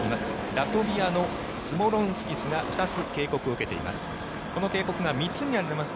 ラトビアのスモロンスキスが２つ警告を受けています。